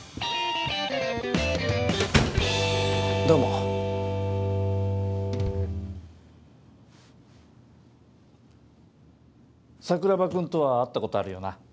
どうも桜庭君とは会ったことあるよな